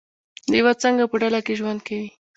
لیوه څنګه په ډله کې ژوند کوي؟